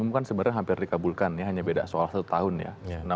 enam kan sebenarnya hampir dikabulkan ya hanya beda soal satu tahun ya